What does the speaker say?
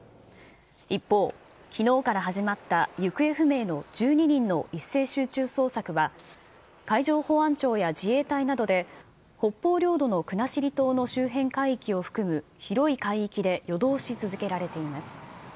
一方、きのうから始まった行方不明の１２人の一斉集中捜索は海上保安庁や自衛隊などで、北方領土の国後島の周辺海域を含む広い海域で夜通し続けられています。